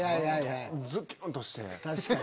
ズキュン！として。